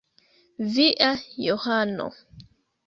Via Johano.